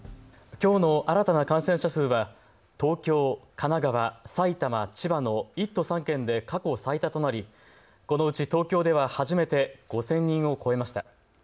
きょうの新たな感染者数は東京、神奈川、埼玉、千葉の１都３県で過去最多となりこのうち東京では初めて５０００人を超えました。